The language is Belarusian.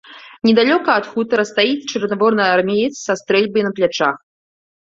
Недалёка ад хутара стаіць чырвонаармеец са стрэльбай на плячах.